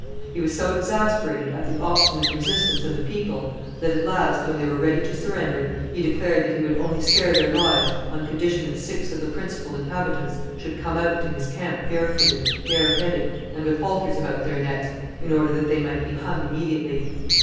He was so exasperated at the obstinate resistance of the people, that at last, when they were ready to surrender, he declared that he would only spare their lives on condition that six of the principal inhabitants should come out to his camp barefooted, bareheaded, and with halters about their necks, in order that they might be hung immediately.